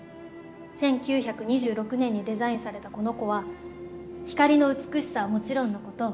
１９２６年にデザインされたこの子は光の美しさはもちろんのこと